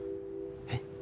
えっ？